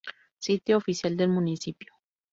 Sitio oficial del municipio